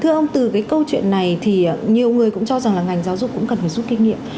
thưa ông từ cái câu chuyện này thì nhiều người cũng cho rằng là ngành giáo dục cũng cần phải rút kinh nghiệm